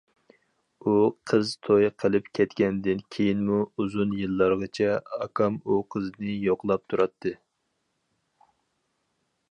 ئۇ قىز توي قىلىپ كەتكەندىن كېيىنمۇ ئۇزۇن يىللارغىچە ئاكام ئۇ قىزنى يوقلاپ تۇراتتى.